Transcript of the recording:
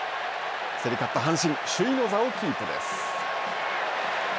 競り勝った阪神首位の座をキープです。